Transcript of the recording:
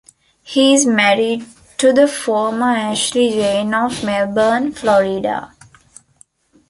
He is married to the former Ashley Jenne of Melbourne, Florida.